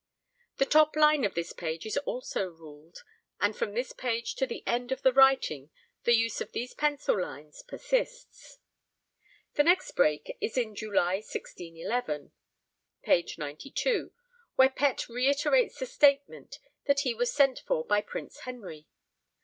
The top line of this page is also ruled, and from this page to the end of the writing the use of these pencil lines persists. The next break is in July 1611 (page 92), where Pett reiterates the statement that he was sent for by Prince Henry.